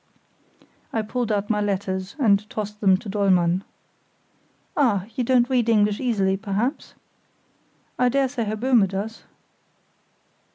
(I pulled out my letters and tossed them to Dollmann.) "Ah, you don't read English easily, perhaps? I dare say Herr Böhme does."